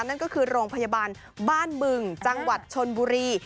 นั่นก็คือโรงพยาบาลบ้านบึงจังหวัดชนบุรี